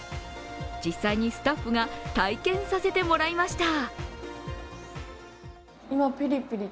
実際にスタッフが体験させてもらいました。